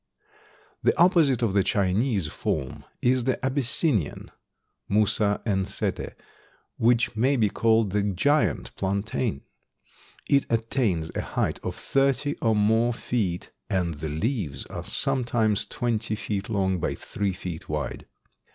The opposite of the Chinese form is the Abyssinian (Musa ensete), which may be called the giant plantain. It attains a height of thirty or more feet and the leaves are sometimes twenty feet long by three feet wide.